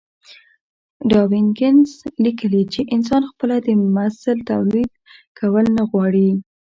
ډاوکېنز ليکلي چې انسان خپله د مثل توليد کول نه غواړي.